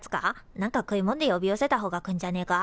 なんか食いもんで呼び寄せたほうが来んじゃねえか？